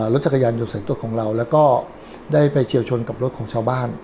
รถจักรยานยนต์ใส่ตัวของเราแล้วก็ได้ไปเฉียวชนกับรถของชาวบ้าน